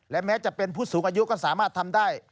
และแม้จะเป็นผู้สูงอายุก็สามารถทำได้